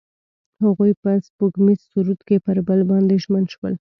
هغوی په سپوږمیز سرود کې پر بل باندې ژمن شول.